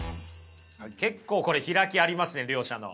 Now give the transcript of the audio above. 結構これ開きありますね両者の。